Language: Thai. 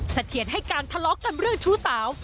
เสถียรให้การทะเลาะกันเรื่องชู้สาว